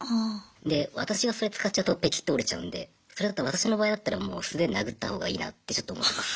で私がそれ使っちゃうとペキッて折れちゃうんでそれだったら私の場合だったらもう素手で殴ったほうがいいなってちょっと思います